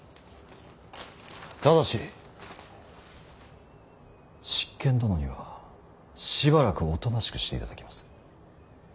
ただし執権殿にはしばらくおとなしくしていただきます。